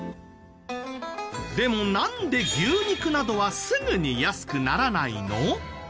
でもなんで牛肉などはすぐに安くならないの？